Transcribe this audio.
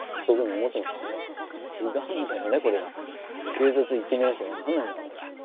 警察行ってみなくちゃ分からないんだからこれは。